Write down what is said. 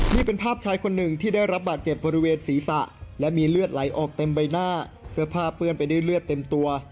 นี่เป็นภาพชายคนหนึ่งที่ได้รับบาดเจ็บบริเวณศีรษะและมีเลือดไหลออกเต็มใบหน้าเสื้อผ้าเปื้อนไปด้วยเลือดเต็มตัว